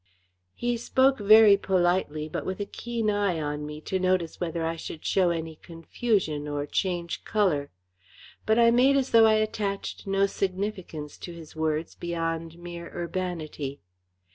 He spoke very politely, but with a keen eye on me to notice whether I should show any confusion or change colour. But I made as though I attached no significance to his words beyond mere urbanity.